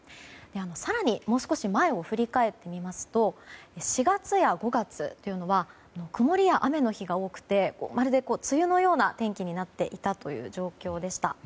更に、もう少し前を振り返ってみますと４月や５月は曇りや雨の日が多くてまるで梅雨のような天気になっていた状況でした。